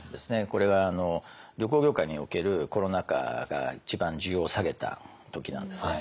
これは旅行業界におけるコロナ禍が一番需要を下げた時なんですね。